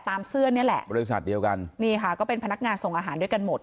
เสื้อนี่แหละบริษัทเดียวกันนี่ค่ะก็เป็นพนักงานส่งอาหารด้วยกันหมด